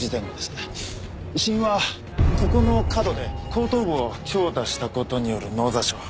死因はここの角で後頭部を強打した事による脳挫傷。